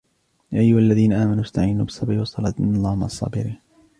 يا أيها الذين آمنوا استعينوا بالصبر والصلاة إن الله مع الصابرين